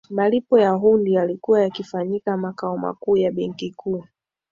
malipo ya hundi yalikuwa yakifanyika makao makuu ya benki kuu